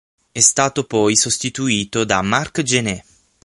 È stato poi sostituito da Marc Gené.